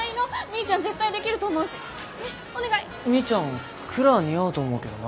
みーちゃんクラ似合うと思うけどな。